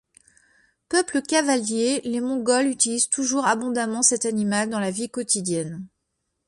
Peuple cavalier, les Mongols utilisent toujours abondamment cet animal dans la vie quotidienne.